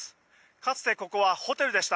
かつて、ここはホテルでした。